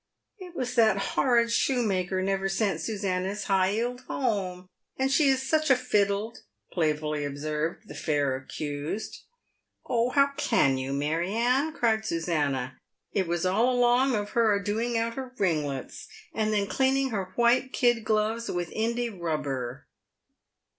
" It was that horrid shoemaker never sent Susannah's high 'eeled home ; and she is such a fiddle," playfully observed the fair accused. "Oh! how can you, Mary Anne," cried Susannah. "It was all along of her a doing out her ringlets, and then cleaning her white kid gloves with Indey rubber."